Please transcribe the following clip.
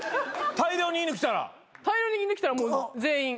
大量に犬来たらもう全員。